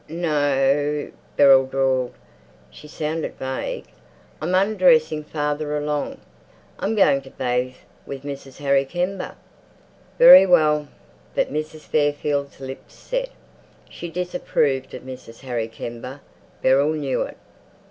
"No o," Beryl drawled. She sounded vague. "I'm undressing farther along. I'm going to bathe with Mrs. Harry Kember." "Very well." But Mrs. Fairfield's lips set. She disapproved of Mrs Harry Kember. Beryl knew it.